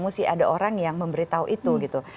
mesti ada orang yang memberitahu itu gitu